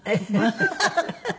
ハハハハ。